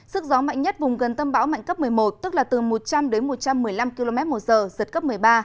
sức gió mạnh nhất vùng gần tâm bão mạnh cấp một mươi một tức là từ một trăm linh đến một trăm một mươi năm km một giờ giật cấp một mươi ba